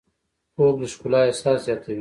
خوب د ښکلا احساس زیاتوي